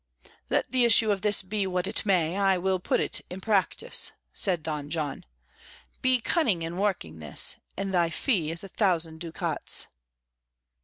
"Let the issue of this be what it may, I will put it in practice," said Don John. "Be cunning in working this, and thy fee is a thousand ducats."